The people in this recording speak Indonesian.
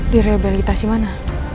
di rebelitasi mana